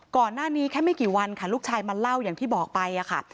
ก่อนหน้านี้แค่ไม่กี่วันค่ะลูกชายมาเล่าอย่างที่บอกไปค่ะ